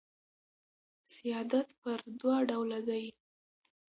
سیادت پر دوه ډوله دئ.